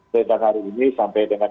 sedangkan hari ini sampai dengan